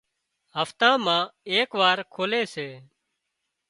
هفتا مان ايڪ وار کولي سي